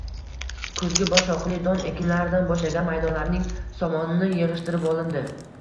Kuzgi boshoqli don ekinlaridan bo`shagan maydonlarning somonini yig`ishtirib olindi